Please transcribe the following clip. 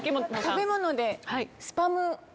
食べ物で。